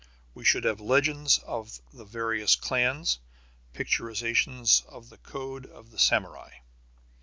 We should have legends of the various clans, picturizations of the code of the Samurai.